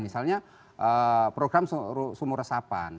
misalnya program sumur resapan